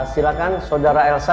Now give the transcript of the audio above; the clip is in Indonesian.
silakan saudara elsa